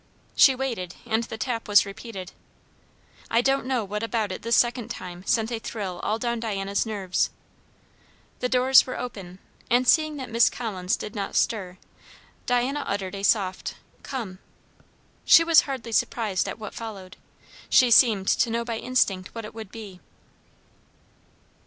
She waited, and the tap was repeated. I don't know what about it this second time sent a thrill all down Diana's nerves. The doors were open, and seeing that Miss Collins did not stir, Diana uttered a soft "Come!" She was hardly surprised at what followed; she seemed to know by instinct what it would be.